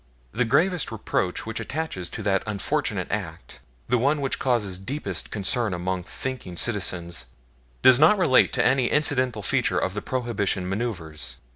The gravest reproach which attaches to that unfortunate act, the one which causes deepest concern among thinking citizens, does not relate to any incidental feature of the Prohibition manoevres.